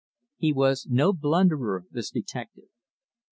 He was no blunderer, this detective.